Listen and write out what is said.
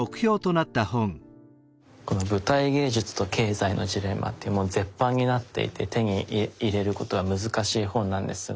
この「舞台芸術と経済のジレンマ」っていうもう絶版になっていて手に入れることは難しい本なんですが。